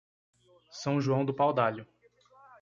São João do Pau-d'Alho